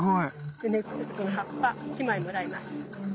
でねちょっとこの葉っぱ１枚もらいます。